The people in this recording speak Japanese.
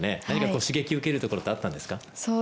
何か刺激を受けるところがあったんですか？